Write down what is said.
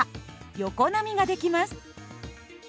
横波が出来ます。